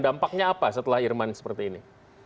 dampaknya apa setelah irman seperti ini